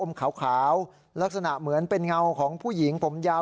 ขาวลักษณะเหมือนเป็นเงาของผู้หญิงผมยาว